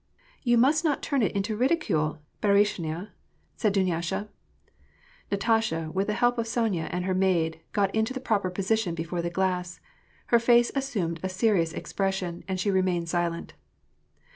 "You must not turn it into ridicule, bdruishnya!" said I>tmyasha. Natasha, with the help of Sonya and her maid, got into the proper position before the glass ; her face assumed a serious expression, and she remained silent.